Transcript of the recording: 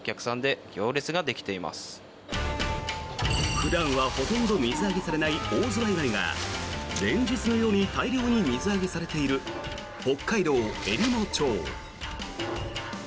普段はほとんど水揚げされないオオズワイガニが連日のように大量に水揚げされている北海道えりも町。